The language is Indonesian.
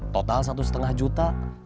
total satu setengah juta